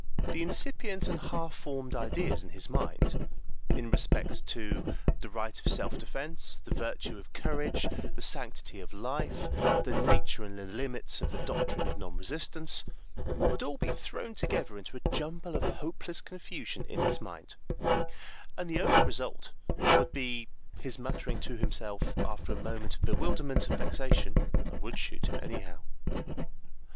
The incipient and half formed ideas in his mind in respect to the right of self defense, the virtue of courage, the sanctity of life, the nature and the limits of the doctrine of non resistance, would be all thrown together into a jumble of hopeless confusion in his mind, and the only result would be his muttering to himself, after a moment of bewilderment and vexation, "I would shoot him, anyhow."